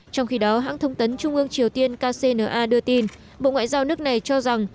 trong khi đó hãng thông tấn trung ương triều tiên kcna đưa tin bộ ngoại giao nước này cho rằng